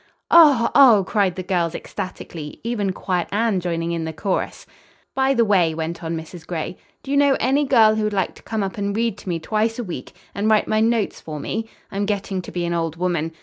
"Oh, oh!" cried the girls ecstatically, even quiet Anne joining in the chorus. "By the way," went on Mrs. Gray, "do you know any girl who would like to come up and read to me twice a week, and write my notes for me? I'm getting to be an old woman.